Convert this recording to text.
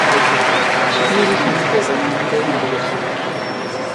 Ŝi iris nun per rapidaj paŝoj.